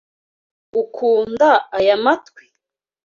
Ukunda aya matwi?